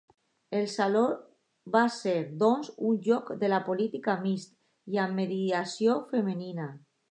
El saló va ser, doncs, un lloc de la política mixt i amb mediació femenina.